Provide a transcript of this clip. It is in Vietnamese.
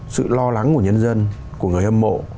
sự lo lắng của nhân dân của người hâm mộ